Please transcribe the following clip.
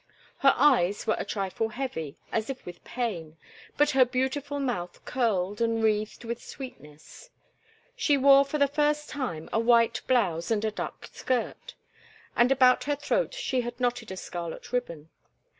Her eyes were a trifle heavy, as if with pain, but her beautiful mouth curled and wreathed with sweetness. She wore for the first time a white blouse and a duck skirt, and about her throat she had knotted a scarlet ribbon.